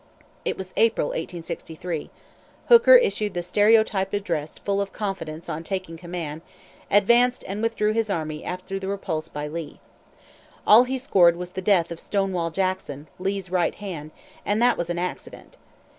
It was April, 1863, Hooker issued the stereotyped address full of confidence on taking command, advanced, and withdrew his army after the repulse by Lee. All he scored was the death of "Stonewall" Jackson, Lee's right hand, and that was an accident.